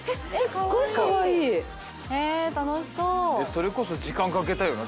それこそ時間かけたいよね